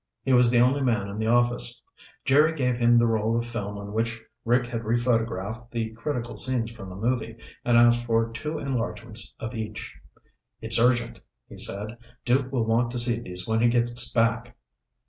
He was the only man in the office. Jerry gave him the roll of film on which Rick had rephotographed the critical scenes from the movie and asked for two enlargements of each. "It's urgent," he said. "Duke will want to see these when he gets back."